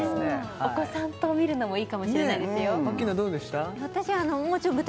お子さんと見るのもいいかもしれないですよねえ